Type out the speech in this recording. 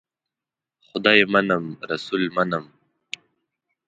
خدای منم ، رسول منم .